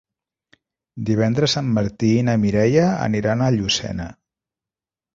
Divendres en Martí i na Mireia aniran a Llucena.